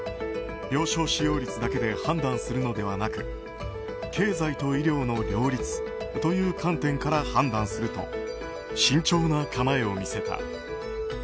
病床使用率だけで判断するのではなく経済と医療の両立という観点から判断すると慎重な構えを見せた。